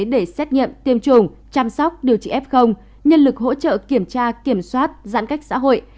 để xét nghiệm tiêm chủng chăm sóc điều trị f nhân lực hỗ trợ kiểm tra kiểm soát giãn cách xã hội